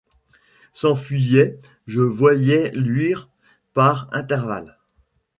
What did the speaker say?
S'enfuyaient ; je voyais luire par intervalle